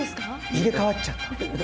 入れ代わっちゃった。